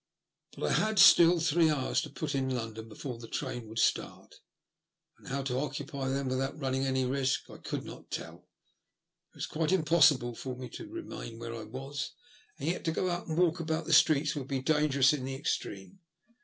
But I had still three 104 THE LUST OF HATE. hours to put in in London before the train would start, and how to occupy them without running any risk 1 could not tell. It was quite impossible for me to re main where I was, and yet to go out and walk about the streets would be dangerous in the extreme.